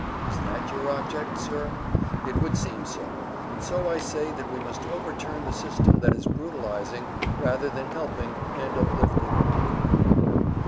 Is that your object, sir? It would seem so; and so I say that we must overturn the system that is brutalizing, rather than helping and uplifting mankind.